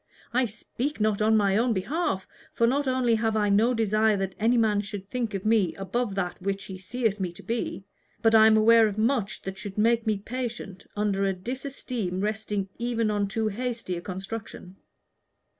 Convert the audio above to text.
"I speak not on my own behalf, for not only have I no desire that any man should think of me above that which he seeth me to be, but I am aware of much that should make me patient under a disesteem resting even on too hasty a construction.